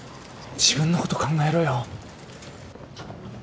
自分のこと考えろよ。